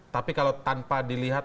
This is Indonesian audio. tapi kalau tanpa dilihat